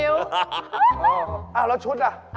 แล้วชุดน่ะ